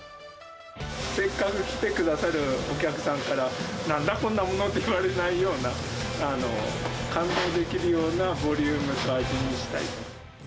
せっかく来てくださるお客さんから、なんだこんなものって言われないような、感動できるようなボリュームと味にしたい。